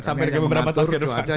sampai ada beberapa tahun ke depan